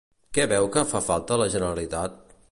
Què veu que fa falta a la Generalitat?